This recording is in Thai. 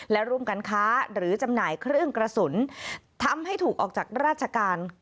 และร่วมกันค้าหรือจำหน่ายเครื่องกระสุนทำให้ถูกออกจากราชการ